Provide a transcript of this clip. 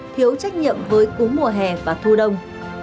thiếu trách nhiệm với cúm mùa hè và thu đông